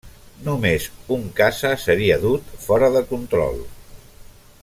Només un caça seria dut 'fora de control'.